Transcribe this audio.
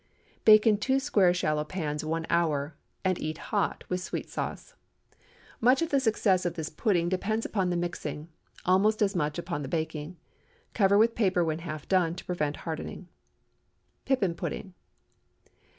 Bake in two square shallow pans one hour, and eat hot, with sweet sauce. Much of the success of this pudding depends upon the mixing—almost as much upon the baking. Cover with paper when half done, to prevent hardening. PIPPIN PUDDING.